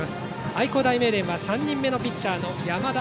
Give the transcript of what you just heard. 愛工大名電は３人目のピッチャーの山田。